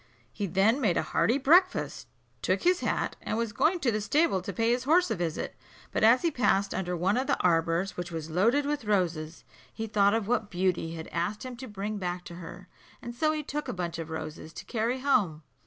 He then made a hearty breakfast, took his hat, and was going to the stable to pay his horse a visit; but as he passed under one of the arbours, which was loaded with roses, he thought of what Beauty had asked him to bring back to her, and so he took a bunch of roses to carry home.